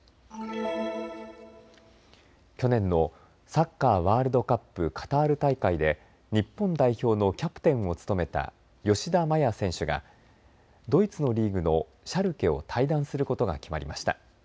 去年のサッカーワールドカップカタール大会で日本代表のキャプテンを務めた吉田麻也選手がドイツのリーグのシャルケを退団することが決まりました。